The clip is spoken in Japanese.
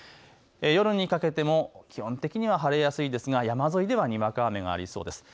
夜にかけても基本的には晴れやすいですが山沿いではにわか雨がありそうです。